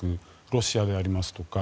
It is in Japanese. ロシアでありますとか